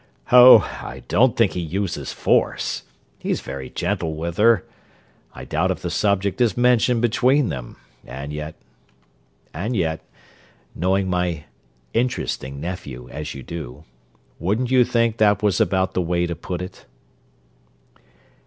"Oh, I don't think he uses force! He's very gentle with her. I doubt if the subject is mentioned between them, and yet—and yet, knowing my interesting nephew as you do, wouldn't you think that was about the way to put it?"